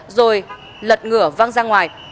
rồi lật ngửa văng ra ngoài